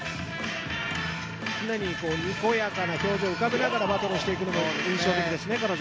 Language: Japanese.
常ににこやかな表情を浮かべながらバトルしていくのも印象的ですね。